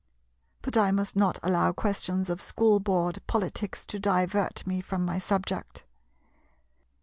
But I must not allow questions of School Board politics to divert me from my subject.